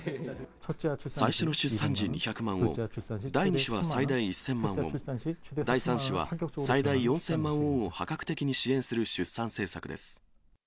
最初の出産時２００万ウォン、第２子は最大１０００万ウォン、第３子は最大４０００万ウォンを破格的に支援する出産政策です。